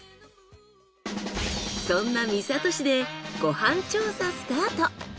そんな三郷市でご飯調査スタート。